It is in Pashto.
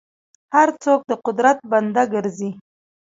هر څوک د قدرت بنده ګرځي.